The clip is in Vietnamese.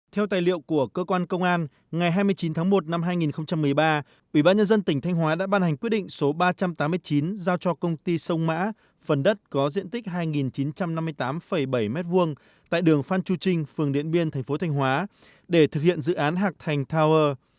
theo tài liệu của cơ quan công an ngày hai mươi chín tháng một năm hai nghìn một mươi ba ủy ban nhân dân tỉnh thanh hóa đã ban hành quyết định số ba trăm tám mươi chín giao cho công ty sông mã phần đất có diện tích hai chín trăm năm mươi tám bảy m hai tại đường phan chu trinh phường điện biên thành phố thanh hóa để thực hiện dự án hạc thành tower